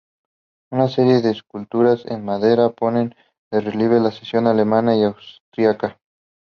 Una serie de esculturas en madera ponen de relieve la sección alemana y austríaca.